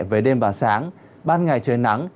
về đêm và sáng ban ngày trời nắng